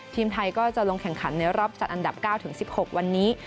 ทีมไทยก็จะลงแข่งขันในรอบจัดอันดับ๙ถึง๑๖วันนี้